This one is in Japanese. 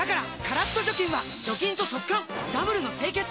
カラッと除菌は除菌と速乾ダブルの清潔！